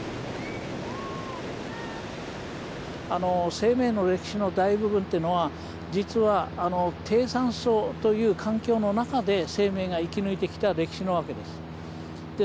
生命の歴史の大部分というのは実は低酸素という環境の中で生命が生き抜いてきた歴史なわけです。